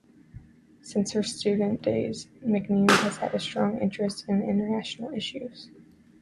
Since her student days, McNeill has had a strong interest in international issues.